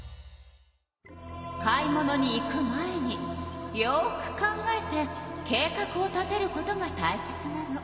買い物に行く前によく考えて計画を立てることがたいせつなの。